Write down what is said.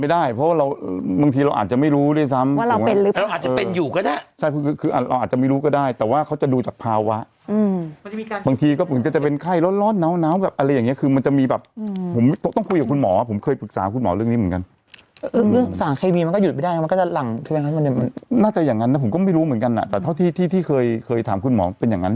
ไม่ได้เพราะว่าเราอืมบางทีเราอาจจะไม่รู้ด้วยซ้ำว่าเราเป็นเราอาจจะเป็นอยู่ก็ได้ใช่คือคือคือเราอาจจะไม่รู้ก็ได้แต่ว่าเขาจะดูจากภาวะอืมมันจะมีการบางทีก็คือจะเป็นไข้ร้อนร้อนน้าวน้าวแบบอะไรอย่างเงี้ยคือมันจะมีแบบอืมผมต้องคุยกับคุณหมอผมเคยปรึกษาคุณหมอเรื่องนี้เหมือนกัน